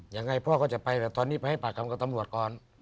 ยังไงพ่อก็จะไปแบบตอนนี้ไปให้ปากคำกับตำรวจก่อน